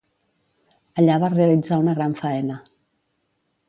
Allà va realitzar una gran faena.